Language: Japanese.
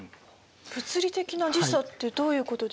物理的な時差ってどういうことですか？